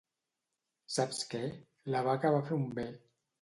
—Saps què? —La vaca va fer un be.